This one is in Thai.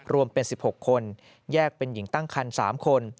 รวมเป็น๑๖คนแยกเป็นหญิงตั้งคัน๓คน